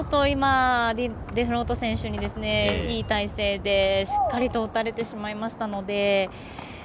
デフロート選手にいい体勢でしっかりと打たれてしまいましたので。